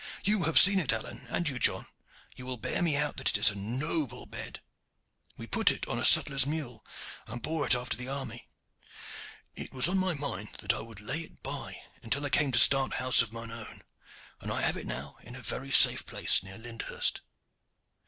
You have seen it, Alleyne, and you, John. You will bear me out that it is a noble bed. We put it on a sutler's mule, and bore it after the army. It was on my mind that I would lay it by until I came to start house of mine own, and I have it now in a very safe place near Lyndhurst."